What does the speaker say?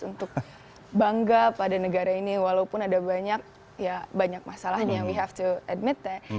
untuk bangga pada negara ini walaupun ada banyak masalahnya we have to admit that